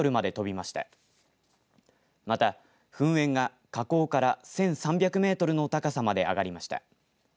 また、噴煙が火口から１３００メートルの高さまで上がりました。